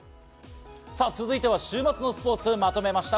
続いては、週末のスポーツをまとめました。